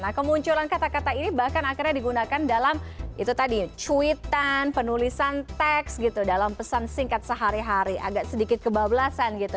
nah kemunculan kata kata ini bahkan akhirnya digunakan dalam itu tadi cuitan penulisan teks gitu dalam pesan singkat sehari hari agak sedikit kebablasan gitu